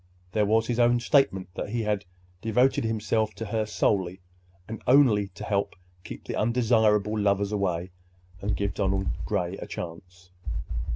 There was his own statement that he had devoted himself to her solely and only to help keep the undesirable lovers away and give Donald Gray a chance.